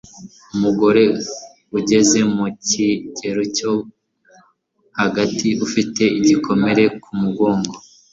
Umugore ugeze mu kigero cyo hagati ufite igikomere ku mugongo